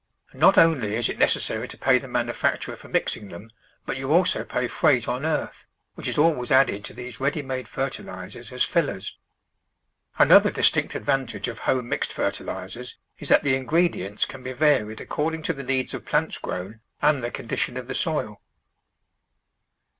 Not only is it necessary to pay the manufacturer for mixing them, but you also pay freight on earth, which is always added to these ready made fertilisers as fillers. Another distinct advantage of home mixed fertilisers is that the ingredients can be varied according to the needs of plants grown and the condition of the soil.